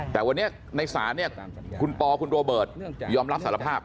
แต่วันนี้ในศาลเนี่ยคุณปอคุณโรเบิร์ตยอมรับสารภาพ